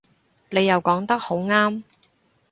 你又講得好啱